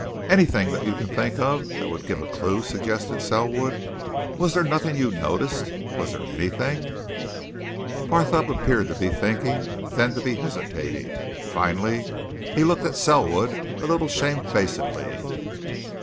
"Anything that you can think of that would give a clue?" suggested Selwood. "Was there nothing you noticed was there anything " Barthorpe appeared to be thinking; then to be hesitating finally, he looked at Selwood a little shamefacedly.